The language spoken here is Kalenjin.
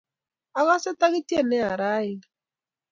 Akase takityen nea raini